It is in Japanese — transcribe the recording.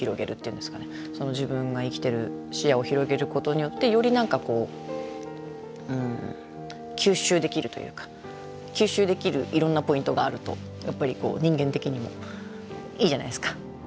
自分が生きてる視野を広げることによってより何かこう吸収できるというか吸収できるいろんなポイントがあるとやっぱりこう人間的にもいいじゃないですか。